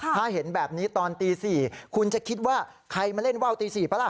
ถ้าเห็นแบบนี้ตอนตี๔คุณจะคิดว่าใครมาเล่นว่าวตี๔ปะล่ะ